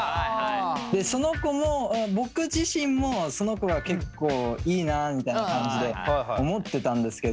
その子も僕自身もその子が結構いいなみたいな感じで思ってたんですけど。